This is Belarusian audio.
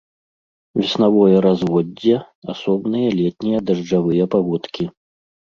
Веснавое разводдзе, асобныя летнія дажджавыя паводкі.